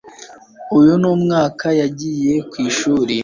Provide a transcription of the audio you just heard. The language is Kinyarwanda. uyu ni umwaka yagiye ku ishuri